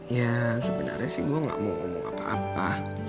ya sebenarnya sih gue gak mau ngomong apa apa